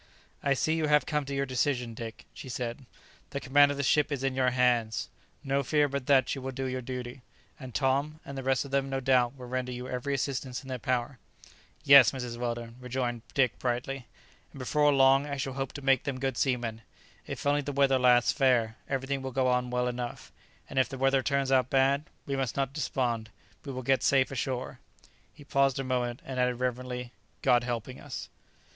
"I see you have come to your decision, Dick," she said. "The command of the ship is in your hands; no fear but that you will do your duty; and Tom, and the rest of them, no doubt, will render you every assistance in their power." "Yes, Mrs. Weldon," rejoined Dick brightly; "and before long I shall hope to make them good seamen. If only the weather lasts fair, everything will go on well enough; and if the weather turns out bad, we must not despond; we will get safe ashore." He paused a moment and added reverently, "God helping us."